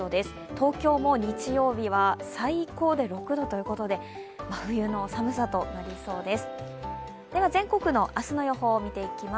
東京も日曜日は最高で６度ということで真冬の寒さとなりそうです。